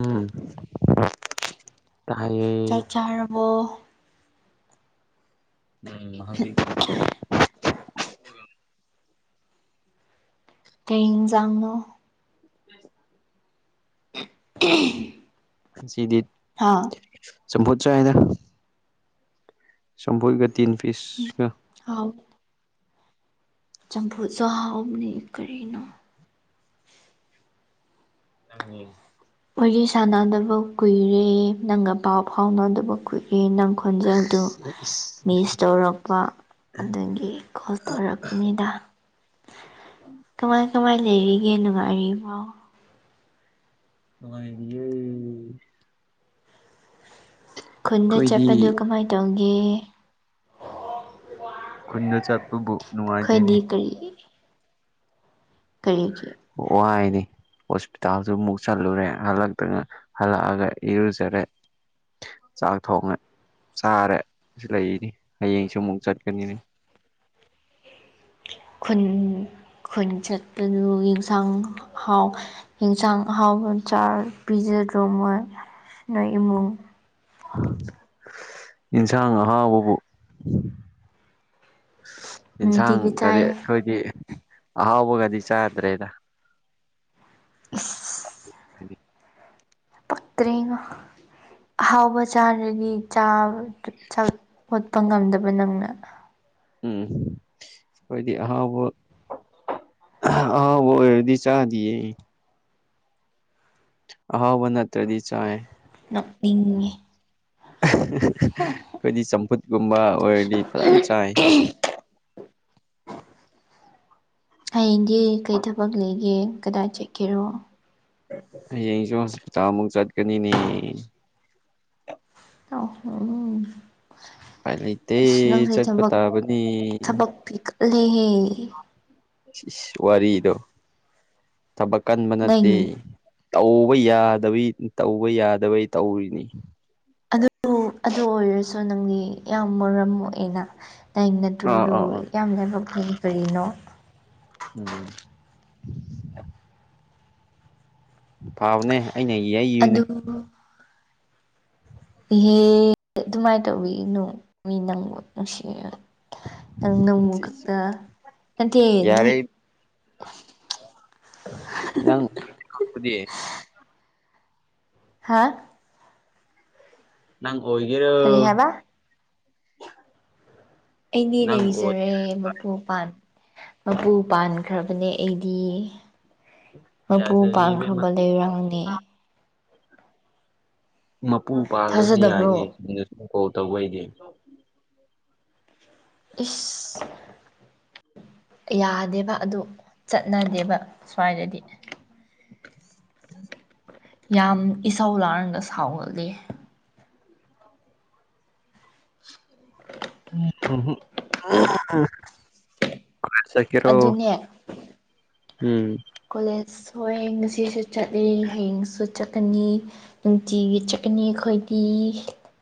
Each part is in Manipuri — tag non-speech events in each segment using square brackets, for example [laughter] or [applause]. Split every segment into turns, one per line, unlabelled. ꯎꯝ
ꯆ
ꯇꯥꯏꯌꯦ
ꯆꯥꯔꯔꯕꯣ
ꯎꯝ ꯍꯧ ꯍꯧꯖꯤꯛ
ꯀꯩꯅꯖꯥꯡꯅ
ꯑꯁ
[unintelligible]
ꯁꯤꯗꯤꯠ
ꯍꯥꯥ
ꯆꯥꯝꯐꯨꯠ ꯆꯥꯏꯗ ꯆꯝꯐꯨꯠꯀꯥ ꯇꯤꯟꯐꯤꯁꯀ
ꯑꯥꯎ ꯆꯝꯐꯨꯠꯁꯨ ꯍꯥꯎꯕꯅꯤ ꯀꯔꯤꯅꯣ
ꯃꯅꯤ
ꯋꯥꯔꯤ ꯁꯥꯟꯅꯗꯕ ꯀꯨꯏꯔꯦ ꯅꯪꯒ ꯄꯥꯎ ꯐꯥꯎꯅꯗꯕ ꯀꯨꯏꯔꯦ ꯅꯪ ꯈꯣꯟꯖꯦꯜꯗꯨ ꯃꯤꯁ ꯇꯧꯔꯛꯄ ꯑꯗꯨꯗꯒꯤ ꯀꯣꯜ ꯇꯧꯔꯛꯄꯅꯤꯗ ꯀꯃꯥꯏ ꯀꯃꯥꯏ ꯂꯩꯔꯤꯒꯦ ꯅꯨꯡꯉꯥꯏꯔꯤꯕꯣ
ꯅꯨꯉꯥꯏꯔꯤꯌꯦ
ꯈꯨꯟꯗ ꯆꯠꯄꯗꯨ ꯀꯃꯥꯏꯅ ꯇꯧꯒꯦ
ꯈꯨꯟꯗ ꯆꯠꯄꯕꯨ ꯅꯨꯡꯉꯥꯏꯇꯦꯅꯦ
ꯀꯩꯒꯤ ꯀꯩꯒꯤ
ꯋꯥꯏꯗꯤ ꯍꯣꯁꯄꯤꯇꯥꯜꯁꯨ ꯑꯃꯨꯛ ꯆꯠꯂꯨꯔꯦ ꯍꯜꯂꯛꯇꯅ ꯍꯜꯂꯛꯑꯒ ꯏꯔꯨꯖꯔꯦ ꯆꯥꯛ ꯊꯣꯡꯉꯦ ꯆꯥꯔꯦ ꯂꯩꯔꯤ ꯍꯌꯦꯡꯁꯨ ꯑꯃꯨꯛ ꯆꯠꯀꯅꯤ
ꯈꯨꯟ ꯈꯨꯟ ꯆꯠꯄꯗꯨ ꯏꯟꯁꯥꯡ ꯍꯥꯎ ꯌꯦꯟꯁꯥꯡ ꯑꯍꯥꯎꯕ ꯆꯥꯔ ꯄꯤꯖꯗ꯭ꯔꯣ ꯃꯣꯏ ꯅꯣꯏ ꯏꯃꯨꯡ
ꯏꯟꯁꯥꯡ ꯑꯍꯥꯎꯕꯕꯨ
[inaudible]
ꯌꯦꯟꯁꯥꯡꯒꯗꯤ
ꯆꯥꯏꯌꯦ
ꯑꯩꯈꯣꯏꯗꯤ ꯑꯍꯥꯎꯕꯒꯗꯤ ꯆꯥꯗ꯭ꯔꯦꯗ
[unintelligible]
[unintelligible]
ꯇ꯭ꯔꯤꯅꯣ ꯑꯍꯥꯎꯕ ꯆꯥꯔꯅꯤ ꯆꯥꯕ ꯈꯣꯠ ꯄ ꯉꯝꯗꯕ ꯅꯪꯅ
ꯎꯝ ꯑꯩꯈꯣꯏꯗꯤ ꯑꯍꯥꯎꯕ ꯑꯍꯥꯎꯕꯥ ꯑꯣꯏꯔꯗꯤ ꯆꯥꯗꯤꯌꯦ ꯑꯍꯥꯎꯕ ꯅꯠꯇ꯭ꯔꯗꯤ ꯆꯥꯏ
ꯅꯣꯛꯅꯤꯡꯉꯦ
ꯑꯩꯈꯣꯏꯗꯤ ꯆꯝꯐꯨꯠꯀꯨꯝꯕ ꯑꯣꯏꯔꯗꯤ ꯐꯖꯅ ꯆꯥꯏ
ꯍꯌꯦꯡꯗꯤ ꯀꯩ ꯊꯕꯛ ꯂꯩꯒꯦ ꯀꯗꯥꯏ ꯆꯠꯀꯦꯔꯣ
ꯍꯌꯦꯡꯁꯨ ꯍꯣꯁꯄꯤꯇꯥꯜ ꯑꯃꯨꯛ ꯆꯠꯀꯅꯤꯅꯦ
[unintelligible]
ꯎꯄꯥꯏ ꯂꯩꯇꯦ
ꯑꯁ ꯅꯪꯁꯩ
ꯆꯠꯄ
ꯊꯕꯛ
ꯇꯥꯕꯅꯤ
ꯊꯕꯛꯇꯤ ꯀꯜꯂꯤꯍꯦ
ꯏꯁ ꯏꯁ ꯋꯥꯔꯤꯗꯣ ꯊꯕꯛ ꯀꯟꯕ ꯅꯠꯇꯦ
ꯅꯪ
ꯇꯧꯕ ꯌꯥꯗꯕꯩ ꯇꯧꯕ ꯌꯥꯗꯕꯩ ꯇꯧꯔꯤꯅꯤ
ꯑꯗꯨ ꯑꯗꯨ ꯑꯣꯏꯔꯁꯨ ꯅꯪꯗꯤ ꯌꯥꯝ ꯃꯔꯝ ꯃꯣꯛꯑꯦꯅ ꯅꯪ
ꯑꯥ
ꯅꯇꯨꯗꯨ
ꯑꯥ ꯑꯥ
ꯌꯥꯝ ꯂꯥꯏꯕꯛ ꯐꯩ ꯀꯔꯤꯅꯣ
ꯎꯝ ꯐꯥꯕꯅꯦ ꯑꯩꯅ ꯌꯩꯕꯅꯦ
ꯑꯗꯨ ꯏꯍꯦ ꯑꯗꯨꯃꯥꯏꯅ ꯇꯧꯕꯤꯒꯅꯣꯃꯤ ꯅꯪꯕꯨ ꯅꯨꯡꯁꯤ ꯅꯪ ꯅꯣꯡꯃ ꯈꯛꯇ ꯅꯠꯇꯦ ꯅꯣꯏ
ꯌꯥꯔꯦ ꯅꯪ ꯑꯣꯏꯊꯣꯛꯄꯗꯤ
ꯍꯥ
ꯅꯪ ꯑꯣꯏꯒꯔꯣ
ꯀꯔꯤ ꯍꯥꯏꯕ ꯑꯩꯗꯤ
ꯅꯪ ꯑꯣꯏ
ꯂꯩꯖꯔꯦ ꯃꯄꯨ ꯥꯄꯥꯟ ꯃꯄꯨ ꯄꯥꯟꯈ꯭ꯔꯕꯅꯦ ꯑꯩꯗꯤ ꯃꯄꯨ
ꯌꯥꯖꯔꯤ ꯏꯕꯦꯝꯃ
ꯄꯥꯟꯈ꯭ꯔꯕ ꯂꯩꯔꯥꯡꯅꯤ
ꯃꯄꯨ ꯄꯥꯜꯂꯁꯨ
ꯊꯥꯖꯗꯕ꯭ꯔꯣ
ꯌꯥꯏꯅꯤ ꯆꯨꯝꯅ ꯁꯨꯝ ꯀꯣꯜ ꯇꯧꯕꯩꯗꯤ
ꯏꯁ ꯌꯥꯗꯦꯕ ꯑꯗꯨ ꯆꯠꯅꯗꯦꯕ ꯁ꯭ꯋꯥꯏꯗꯗꯤ
ꯎꯝ
ꯌꯥꯝ ꯏꯁꯆꯧ ꯂꯥꯡꯔꯒ ꯁꯥꯎꯒꯜꯂꯤ
[unintelligible] ꯆꯀꯤꯔꯣ
ꯑꯗꯨꯅꯦ
ꯎꯝ
ꯀꯣꯂꯦꯖ ꯁ ꯉꯁꯤꯁꯨ ꯆꯠꯂꯤ ꯍꯌꯦꯡꯁꯨ ꯆꯠꯀꯅꯤ ꯅꯨꯡꯇꯤꯒꯤ ꯆꯠꯀꯅꯤ ꯈꯣꯏꯗꯤ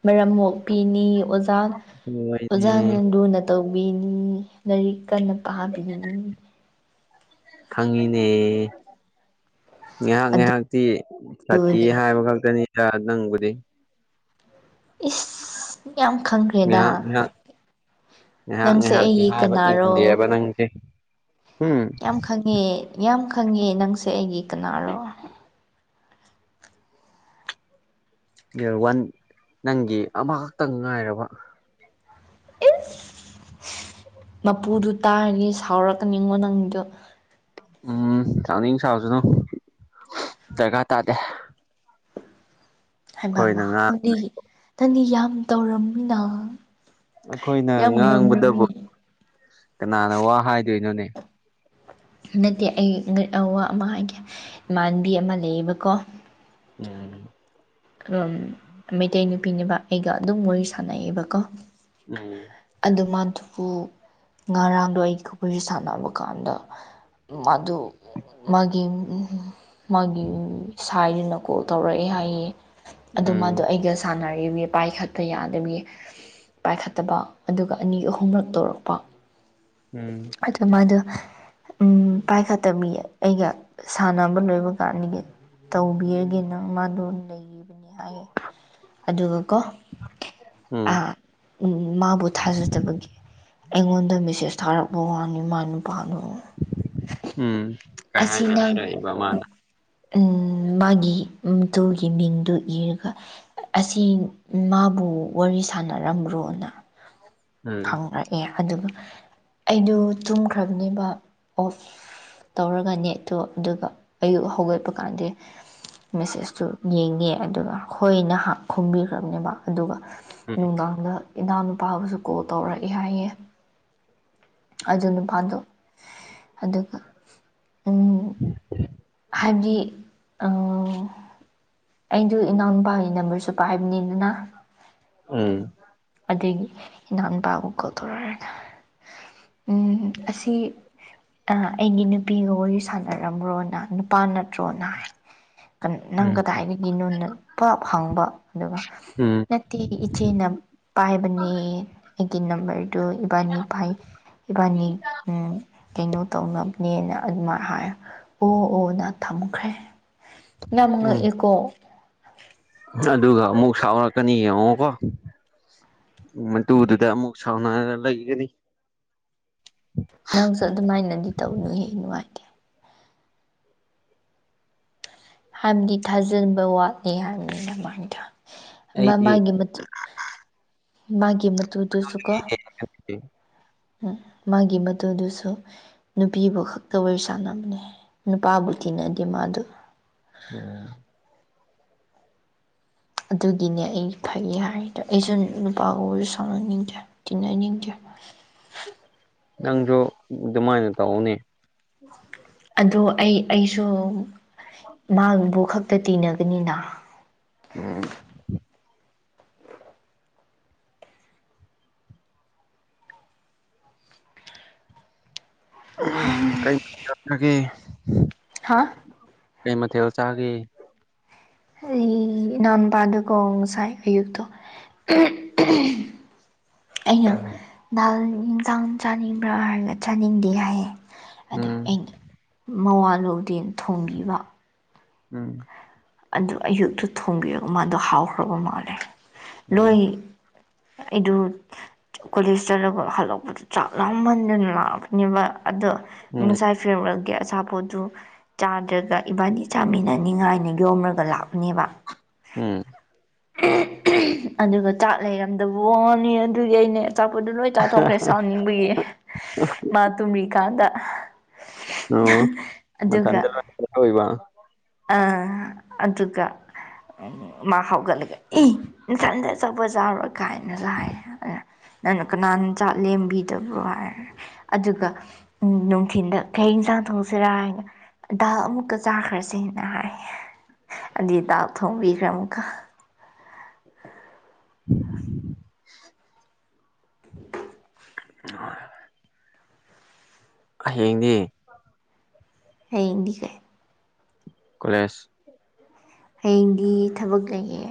ꯃꯔꯛ ꯃꯨꯛ ꯄꯤꯅꯤ ꯑꯣꯖꯥ
ꯍꯣꯏꯅꯦ
ꯑꯣꯖꯥꯅ ꯂꯨꯅ ꯇꯧꯕꯤꯅꯤ ꯂꯥꯏꯔꯤꯛ ꯀꯟꯅ ꯥꯕꯤꯅꯤ
ꯈꯪꯉꯤꯅꯦ ꯉꯥꯏꯍꯥꯛ ꯉꯥꯏꯍꯥꯛꯇꯤ ꯁꯇꯤ
ꯑꯗꯨꯅꯦ
ꯍꯥꯏꯕ ꯈꯛꯇꯅꯤꯗ ꯅꯪꯕꯨꯗꯤ
ꯏꯁ ꯌꯥꯝ ꯈꯪꯈ꯭ꯔꯦꯗ
ꯉꯥꯏꯍꯥꯛ ꯉꯥꯏꯍꯥꯛ ꯉꯥꯏꯍꯥꯛ
ꯅꯪꯁꯦ
ꯉꯥꯏꯍꯥꯛꯇꯤ
ꯑꯩꯒꯤ
ꯍꯥꯏꯕ
ꯀꯅꯥꯔꯣ
ꯏꯟꯗꯦꯕ ꯅꯪꯁꯦ ꯎꯝ
ꯌꯥꯝ ꯈꯪꯉꯦ ꯌꯥꯝ ꯈꯪꯉꯦ ꯅꯪꯁꯦ ꯑꯩꯒꯤ ꯀꯅꯥꯔꯣ
ꯔ ꯋꯥꯟ ꯅꯪꯒꯤ ꯑꯃꯈꯛꯇꯪ ꯉꯥꯏꯔꯕ
ꯃꯄꯨꯗꯨ ꯇꯥꯔꯅꯤ ꯁꯥꯎꯔꯛꯀꯅꯤꯉꯣ ꯅꯪꯗꯣ
ꯎꯝ ꯆꯅꯤꯡ ꯁꯥꯎꯁꯨꯅꯨ ꯗꯔꯀꯥꯔ ꯇꯥꯗꯦ
ꯍꯥꯏꯕ
ꯑꯩꯈꯣꯏꯅ
ꯑꯃ
ꯉꯥꯡ
ꯑꯗꯨꯗꯤ ꯅꯗꯤ ꯌꯥꯝ ꯇꯧꯔꯝꯃꯤꯅ
ꯑꯩꯈꯣꯏꯅ
ꯌꯥꯝ
ꯉꯥꯡꯕꯗꯕꯨ
ꯉꯝꯔꯝꯃꯤ
ꯀꯅꯥꯅ ꯋꯥ ꯍꯥꯏꯗꯣꯏꯅꯣꯅꯦ
ꯅꯠꯇꯦ ꯑꯩ ꯑꯋꯥ ꯑꯃ ꯑꯩꯒꯤ ꯏꯃꯥꯟꯥꯟꯕꯤ ꯑꯃ ꯂꯩꯌꯦꯕꯀꯣ
ꯎꯝ
ꯃꯩꯇꯩ ꯅꯨꯄꯤꯅꯦꯕ ꯑꯩꯒ ꯑꯗꯨꯝ ꯋꯥꯔꯤ ꯁꯥꯟꯅꯩꯑꯕꯀꯣ
ꯎꯝ
ꯑꯗꯨ ꯃꯥꯗꯨꯕꯨ ꯉꯔꯥꯡꯗꯣ ꯑꯩ ꯀꯕꯨꯏꯁꯦ ꯁꯥꯟꯅꯕ ꯀꯥꯟꯗ ꯑꯗꯨ ꯃꯥꯒꯤ ꯃꯥꯒꯤ ꯁꯥꯏꯗꯨꯅ ꯀꯣꯜ ꯇꯧꯔꯛꯑꯦ ꯍꯥꯏꯌꯦ ꯑꯗ
ꯎꯝ
ꯃꯥꯗꯣ ꯑꯩꯒ ꯁꯥꯟꯅꯔꯤꯕ ꯄꯥꯏ ꯈꯛꯇ ꯌꯥꯗꯕꯤ ꯄꯥꯏꯈꯠꯇꯕ ꯑꯗꯨꯒ ꯑꯅꯤ ꯑꯍꯨꯝꯔꯛ ꯇꯧꯔꯛꯄ
ꯎꯝ
ꯑꯗꯨ ꯃꯥꯗꯨ ꯎꯝ ꯄꯥꯏꯈꯠꯇꯕꯤꯌꯦ ꯑꯩꯒ ꯁꯥꯟꯅꯕ ꯂꯣꯏꯕ ꯀꯥꯟꯅꯤꯒꯤ ꯇꯧꯕꯤꯔꯒꯦ ꯅꯪ ꯃꯥꯗꯣ ꯂꯩꯔꯤꯕꯅꯤ ꯍꯥꯏ ꯑꯗꯨꯒꯀꯣ
ꯎꯝ
ꯑ ꯎꯝ ꯃꯥꯕꯨ ꯊꯥꯖꯗꯕꯒꯤ ꯑꯩꯉꯣꯟꯗ ꯃꯤꯦꯁꯦꯁ ꯊꯥꯔꯛꯄ ꯋꯥꯅꯤ ꯃꯥ ꯅꯨꯄꯥꯗꯣ
ꯎꯝ
ꯑꯁꯤ ꯅꯪ ꯃꯥꯒꯤ ꯇꯨꯒꯤ ꯃꯤꯡꯗꯨ ꯏꯔꯒ ꯑꯁꯤ ꯃꯥꯕꯨ ꯋꯥꯔꯤ ꯁꯥꯟꯅꯔꯝꯕ꯭ꯔꯣꯅ
ꯎꯝ
ꯍꯪꯉꯔꯛꯑꯦ ꯑꯗꯨꯒ ꯑꯩꯗꯨꯣ ꯇꯨꯝꯈ꯭ꯔꯕꯅꯦꯕ ꯑꯣꯐ ꯇꯧꯔꯒ ꯅꯦꯠꯇꯣ ꯑꯗꯨꯒ ꯑꯌꯨꯛ ꯍꯧꯒꯠꯄ ꯀꯥꯟꯗ ꯃꯦꯁꯦꯁꯇꯨ ꯌꯦꯡꯉꯦ ꯑꯗꯨꯒ ꯍꯣꯏ ꯅꯍꯥꯛ ꯈꯨꯝꯕꯤꯈ꯭ꯔꯕꯅꯦꯕ ꯑꯗꯨꯒ
ꯎꯝ
ꯅꯨꯡꯗꯥꯡꯗ ꯏꯅꯥꯎ ꯅꯨꯨꯄꯥꯕꯨꯁꯨ ꯀꯣꯜ ꯇꯧꯔꯛꯑꯦ ꯍꯥꯏꯌꯦ ꯑꯗꯨ ꯅꯨꯄꯥꯗꯣ ꯑꯗꯨꯒ ꯎ ꯍꯥꯏꯕꯗꯤ ꯑꯩꯗꯨ ꯏꯅꯥꯎꯅꯨꯄꯥꯒꯤ ꯅꯝꯕꯔꯁꯨ ꯄꯥꯏꯕꯅꯤꯗꯅ
ꯎꯝ
ꯑꯗꯨꯗꯒꯤ ꯏꯅꯥꯎꯄꯥꯕꯨ ꯀꯧꯊꯣꯔꯛꯔꯅ ꯑꯁꯤ ꯑꯩꯒꯤ ꯅꯨꯄꯤꯒ ꯋꯥꯔꯤ ꯁꯥꯟꯅꯔꯝ꯭ꯔꯣꯅ ꯅꯨꯄꯥꯅ ꯖꯣꯅꯥꯏ ꯅꯪ
ꯎꯝ
ꯀꯗꯥꯏꯗꯒꯤ ꯅꯣꯟ ꯄꯞ ꯍꯪꯕ ꯗꯨꯒ
ꯎꯝ
ꯑꯩꯒꯤ ꯏꯆꯦꯅ ꯄꯥꯏꯕꯅꯦ ꯑꯩꯒꯤ ꯅꯝꯕꯔꯗꯨ ꯏꯕꯥꯅꯤ ꯄꯥꯏ ꯏꯕꯥꯅꯤ ꯀꯩꯅꯣ ꯇꯧꯅꯕꯅꯦꯅ ꯑꯗꯨꯃꯥꯏꯅ ꯍꯥꯏ ꯑꯣ ꯑꯣ ꯅ ꯊꯝꯈ꯭ꯔꯦ ꯌꯥꯝ
ꯎꯝ
ꯉꯛꯑꯦꯀꯣ
ꯑꯗꯨꯒ ꯑꯃꯨꯛ ꯁꯥꯎꯔꯛꯀꯅꯤ ꯌꯦꯡꯉꯣꯀꯣ ꯃꯇꯨꯗꯨꯗ ꯑꯃꯨꯛ ꯁꯥꯎꯅꯔ ꯂꯩꯒꯅꯤ
ꯅꯪꯁꯨ ꯑꯗꯨꯃꯥꯏꯅꯗꯤ ꯇꯧꯅꯨ ꯍꯦ ꯅꯨꯡꯉꯥꯏꯇꯦ ꯍꯥꯏꯕꯗꯤ ꯊꯥꯖꯤꯟꯕ ꯋꯥꯠꯂꯤ ꯍꯥꯏꯕꯅꯤ ꯃꯃꯥꯏꯗ ꯃ
ꯑꯩꯗꯤ
ꯃꯥꯒꯤ ꯃꯥꯒꯤ ꯃꯇꯨꯗꯨꯁꯨ ꯀꯣ ꯎ ꯃꯥꯒꯤ ꯃꯇꯨꯗꯨꯁꯨ ꯅꯨꯄꯤꯕꯨ ꯈꯛꯇ ꯋꯥꯔꯤ ꯁꯥꯟꯅꯕꯅꯦ ꯅꯨꯄꯥꯕꯨ ꯇꯤꯟꯅꯗꯦ ꯃꯥꯗꯣ
ꯎꯝ
ꯑꯗꯨꯒꯤꯅꯦ ꯑꯩ ꯐꯩ ꯍꯥꯏꯗꯣ ꯑꯩꯁꯨ ꯅꯨꯄꯥꯒꯁꯨ ꯁꯥꯎꯅꯅꯤꯡꯗꯦ ꯇꯤꯟꯅꯅꯤꯡꯗꯔꯦ
ꯅꯪꯗꯨ ꯑꯗꯨꯃꯥꯏꯅ ꯇꯧꯅꯦ [inaudible]
ꯑꯗꯣ ꯑꯩ ꯑꯩꯁꯨ ꯃꯥꯕꯨ ꯈꯛꯇ ꯇꯤꯟꯅꯒꯅꯤꯅ
ꯎꯝ
ꯍꯨꯝꯝ
ꯑꯗꯒꯤ
ꯍꯥꯥ
ꯀꯩ ꯃꯊꯦꯜ ꯆꯥꯒꯦ
ꯑꯩ ꯏꯅꯥꯎꯅꯨꯄꯥꯗꯨꯀꯣ ꯉꯁꯥꯏ ꯑꯌꯨꯛꯇꯣ ꯑꯩꯅ
ꯎꯝ
ꯗꯥꯜ ꯌꯦꯟꯁꯥꯡ ꯆꯥꯅꯤꯡꯕ꯭ꯔꯥ ꯍꯥꯏꯔꯒ ꯆꯥꯅꯤꯡꯗꯦ ꯍꯥꯏꯌꯦ ꯑꯗꯩ
ꯎꯝ
ꯑꯩꯅ ꯃꯋꯥ ꯂꯧꯗꯦꯅ ꯊꯣꯡꯕꯤꯕ
ꯎꯝ
ꯑꯗꯨ ꯑꯌꯨꯛꯇꯨ ꯊꯣꯡꯕꯤꯔꯒ ꯃꯥꯗꯣ ꯍꯥꯎꯈ꯭ꯔꯕ ꯃꯥꯜꯂꯦ
ꯎꯝ
ꯂꯣꯏ ꯑꯩꯗꯨ ꯀꯣꯂꯦꯖ ꯆꯠꯂꯒ ꯍꯜꯂꯛꯄꯗ ꯆꯥꯛ ꯂꯥꯝꯃꯟꯗꯅ ꯂꯥꯛꯑꯕꯅꯦꯕ ꯑꯗꯣ
ꯎꯝ
ꯉꯁꯥꯏ ꯐꯤꯔꯋꯦꯜꯒꯤ ꯑꯆꯥꯄꯣꯠꯇ ꯆꯥꯗ꯭ꯔꯒ ꯏꯕꯥꯅꯤ ꯆꯥꯃꯤꯟꯅꯅꯤꯡꯉꯥꯏꯅꯤ ꯌꯣꯝꯔꯒ ꯂꯥꯛꯄꯅꯦꯕ
ꯎꯝ
ꯑꯗꯨꯒ ꯆꯥꯛ ꯂꯩꯔꯝꯗꯕ ꯋꯥꯅꯤ ꯑꯗꯨꯗꯤ ꯑꯩꯅꯦ ꯑꯆꯥꯄꯣꯠꯇꯣ ꯂꯣꯏ ꯆꯥꯊꯣꯛꯈ꯭ꯔꯦ ꯁꯥꯎꯅꯤꯡꯕꯒꯤ ꯃꯥ ꯇꯨꯝꯔꯤꯀꯥꯟꯗ ꯑꯗꯨꯒ
ꯀꯩꯗꯧꯏꯕ
ꯑ ꯑꯗꯨꯒ ꯃꯥ ꯍꯧꯒꯠꯂꯒ ꯏ ꯅꯊꯟꯗ ꯑꯆꯥꯄꯣꯠ ꯆꯥꯕ ꯀꯥꯏꯅ ꯍꯥꯏꯌꯦ ꯑꯗꯨꯅ ꯅꯪꯅ ꯀꯅꯥꯅ ꯆꯥꯛꯂꯦꯝꯕꯤꯗꯕ꯭ꯔꯣ ꯍꯥꯏꯔꯦ ꯑꯗꯨꯒ ꯅꯨꯡꯊꯤꯟꯗ ꯀꯩ ꯌꯦꯟꯁꯥꯡ ꯊꯣꯡꯁꯤꯔꯥ ꯍꯥꯏꯅ ꯗꯥꯜ ꯑꯃꯨꯛꯀ ꯆꯥꯈ꯭ꯔꯁꯦ ꯍꯥꯏ ꯑꯗꯨꯗꯤ ꯗꯥꯜ ꯊꯣꯡꯕꯤꯈ꯭ꯔꯦ ꯑꯃꯨꯛꯀ
[inaudible] ꯍꯣꯏ ꯍꯌꯦꯡꯗꯤ
ꯍꯌꯦꯡꯗꯤ ꯀꯩ
ꯀꯣꯂꯦꯖ
ꯍꯌꯦꯡꯗꯤ ꯊꯕꯛ ꯂꯩꯌꯦ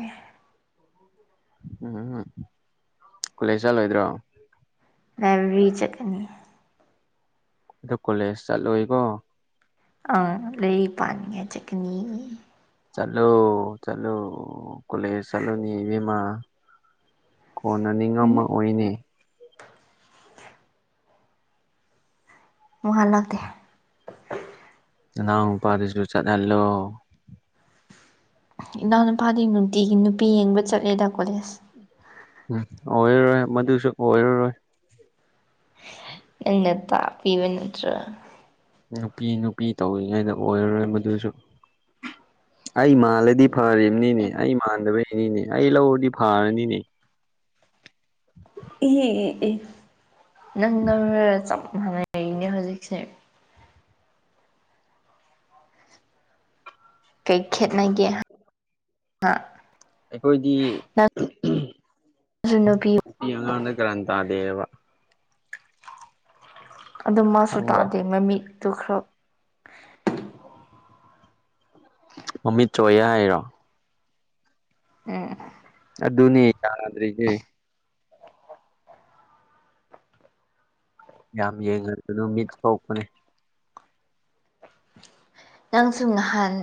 ꯎꯝ ꯀꯣꯂꯦꯖ ꯆꯠꯂꯣꯏꯗ꯭ꯔꯣ
ꯂꯥꯏꯕ꯭ꯔꯦꯔꯤ ꯆꯠꯀꯅꯤ
ꯑꯗꯨ ꯀꯣꯂꯦꯖ ꯆꯠꯂꯣꯏꯀꯣ
ꯑꯪ ꯂꯩꯔꯤꯛ ꯄꯥꯅꯤꯉꯥꯏ ꯆꯠꯀꯅꯤ
ꯆꯠꯂꯣ ꯆꯠꯂꯣ ꯀꯣꯂꯦꯁ ꯆꯠꯂꯣꯅꯤ ꯏꯕꯦꯝꯃ ꯀꯣꯟꯅ
ꯎꯝ
ꯅꯤꯡꯉꯝꯃꯛ ꯑꯣꯏꯅꯦ
ꯃꯋꯥ ꯂꯧꯗꯦ
ꯅꯅꯥꯎ ꯅꯨꯄꯥꯗꯨꯁꯨ ꯆꯠꯍꯜꯂꯣ
ꯏꯅꯥꯎ ꯅꯨꯄꯥꯗꯤ ꯅꯨꯡꯇꯤꯒꯤ ꯅꯨꯄꯤ ꯌꯦꯡꯕ ꯆꯠꯂꯦꯗ ꯀꯣꯂꯦꯖ
ꯎꯝ ꯑꯣꯏꯔꯔꯣꯏ ꯃꯗꯨꯁꯨ ꯑꯣꯏꯔꯔꯣꯏ
ꯅꯪꯅ ꯇꯥꯛꯄꯤꯕ ꯅꯠꯇ꯭ꯔꯥ
ꯅꯨꯄꯤ ꯅꯨꯄꯤ ꯇꯧꯔꯤꯉꯩꯗ ꯑꯣꯏꯔꯔꯣꯏ ꯃꯗꯨꯁꯨ ꯑꯩ ꯃꯥꯜꯂꯗꯤ ꯐꯔꯤꯝꯅꯤꯅꯦ ꯑꯩ ꯃꯥꯟꯗꯕꯩꯅꯤꯅꯦ ꯑꯩ ꯂꯧꯔꯗꯤ ꯐꯔꯅꯤꯅꯦ
[unintelligible] ꯅꯪ ꯂꯧꯔ ꯆꯞ ꯃꯥꯟꯅꯩꯔꯤꯅꯦ ꯍꯧꯖꯤꯛꯁꯦ ꯀꯩ ꯈꯦꯠꯅꯒꯦ ꯍꯥ
ꯑꯩꯈꯣꯏꯗꯤ ꯎꯝ ꯎꯝ
ꯖꯨ ꯅꯨꯄꯤꯌꯨ
ꯅꯨꯄꯤ ꯑꯉꯥꯡꯗ ꯀꯥꯔꯟ ꯇꯥꯗꯦꯕ
ꯑꯗꯨ ꯃꯥꯁꯨ
ꯈꯪꯕ꯭ꯔꯣ
ꯇꯥꯗꯦ ꯃꯃꯤꯠꯇꯨ ꯈꯔ
ꯃꯃꯤꯠ ꯆꯣꯏꯌꯦ ꯍꯥꯏꯔꯣ
ꯎꯝ
ꯑꯗꯨꯅꯤ ꯌꯥꯗ꯭ꯔꯤꯖꯤ ꯌꯥꯝ ꯌꯦꯡꯍꯟꯒꯅꯨ ꯃꯤꯠ ꯁꯣꯛꯄꯅꯦ
ꯅꯪꯁꯨ ꯉꯍꯥꯟ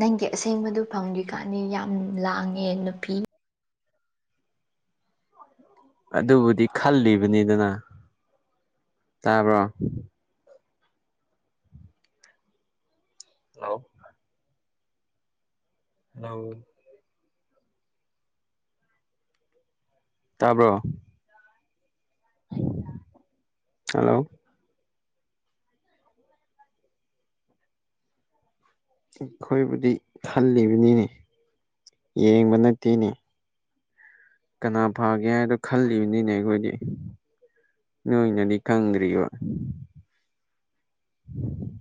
ꯅꯪꯒꯤ ꯑꯁꯦꯡꯕꯗꯨ ꯐꯪꯗ꯭ꯔꯤ ꯀꯥꯟꯗꯤ ꯌꯥꯝ ꯂꯥꯡꯉꯦ ꯅꯨꯄꯤ
ꯑꯗꯨꯕꯨꯗꯤ ꯈꯜꯂꯤꯕꯅꯤꯗꯅ ꯇꯥꯕ꯭ꯔꯣ ꯍꯜꯂꯣ ꯍꯜꯂꯣ ꯇꯥꯕ꯭ꯔꯣ ꯍꯜꯂꯣ ꯑꯈꯣꯏꯕꯨꯗꯤ ꯈꯜꯂꯤꯕꯅꯤꯅꯦ ꯌꯦꯡꯕ ꯅꯠꯇꯦꯅꯦ ꯀꯅꯥ ꯐꯥꯒꯦ ꯍꯥꯏꯗꯣ ꯈꯜꯂꯤꯕꯅꯤꯅꯦ ꯑꯩꯈꯣꯏꯗꯤ ꯅꯣꯏꯅꯗꯤ ꯈꯪꯗ꯭ꯔꯤꯕ
[inaudible]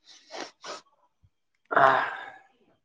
[unintelligible]